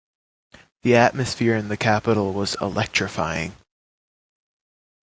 The atmosphere in the capital was electrifying.